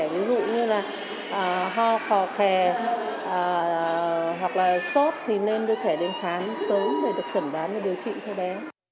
ví dụ như là ho khò khè hoặc là sốt thì nên đưa trẻ đến khám sớm để được chẩn đoán và điều trị cho bé